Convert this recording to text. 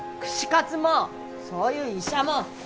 串かつもそういう医者も！